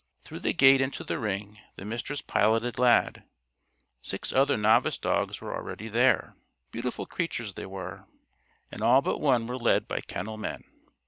Through the gate into the ring the Mistress piloted Lad. Six other Novice dogs were already there. Beautiful creatures they were, and all but one were led by kennel men.